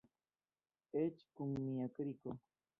Eĉ kun mia kriko.